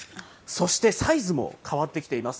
そして、サイズも変わってきています。